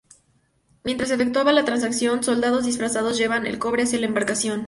Mientras se efectuaba la transacción, soldados disfrazados llevaban el cobre hacia la embarcación.